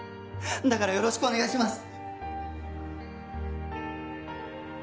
だからよろしくお願いします。